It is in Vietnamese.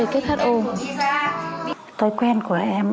tối quen của em ấy em